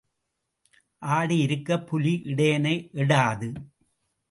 ஆடு இருக்கப் புலி இடையனை எடாது.